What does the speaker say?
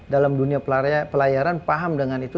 dalam dunia pelayaran paham dengan itu